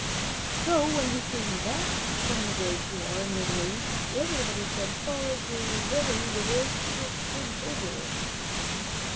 So when he came back from the great war in Italy, everybody said "Pizarro is a very good soldier."